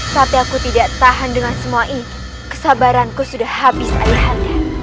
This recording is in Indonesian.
tapi aku tidak tahan dengan semua ini kesabaranku sudah habis ayahannya